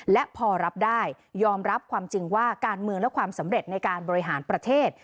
และพอรับได้ยอมรับความจริงว่าการเมืองและความสำเร็จในการบริหารประเทศ